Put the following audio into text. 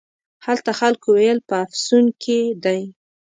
هلته خلکو ویل په افسون کې دی.